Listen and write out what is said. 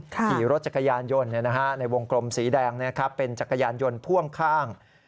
ขี่รถจักรยานยนต์ในวงกลมสีแดงเป็นจักรยานยนต์พ่วงข้าง